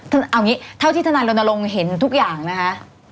เอาอย่างงี้เท่าที่ท่านายลงนาลงเห็นทุกอย่างนะฮะ